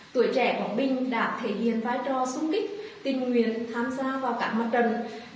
tuổi trẻ bảo bình đã thể hiện vai trò xung kích tình nguyện tham gia vào các mặt trận